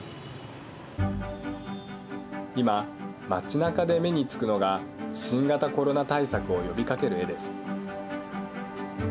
いま、街なかで目につくのが新型コロナ対策を呼びかける絵です。